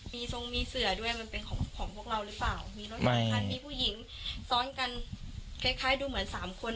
มีทรงมีเสือด้วยมันเป็นของของพวกเราหรือเปล่ามีรถหลายคันมีผู้หญิงซ้อนกันคล้ายคล้ายดูเหมือนสามคน